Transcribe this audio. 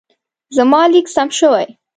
زما لیک سم شوی.